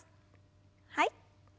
はい。